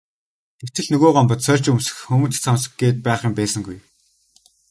Гэтэл нөгөө Гомбод сольж өмсөх өмд цамц гээд байх юм байсангүй.